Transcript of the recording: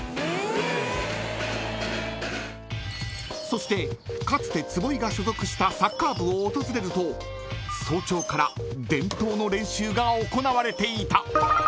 ［そしてかつて坪井が所属したサッカー部を訪れると早朝から伝統の練習が行われていた］